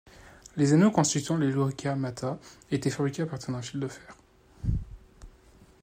Les anneaux constituant les lorica hamata étaient fabriqués à partir d’un fil de fer.